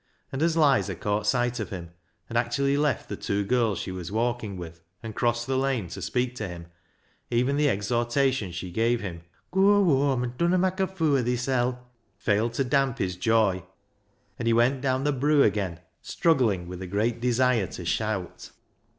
And as Lizer caught sight of him, and actually left the two girls she was walking with and crossed the lane to speak to him, even the exhortation she gave him to " goa whoam, and dunna mak' a foo' o' thisel'," failed to damp his joy, and he went down the " broo " again, struggling with a great desire to shout.